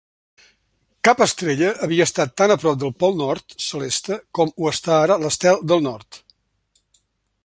Cap estrella havia estat tan a prop del pol Nord celeste com ho està ara l'Estel del Nord.